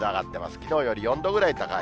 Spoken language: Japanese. きのうより４度ぐらい高い。